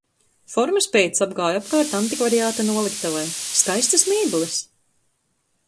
Formas pēc apgāju apkārt antikvariāta noliktavai. Skaistas mēbeles!